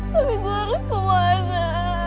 tapi gue harus kemana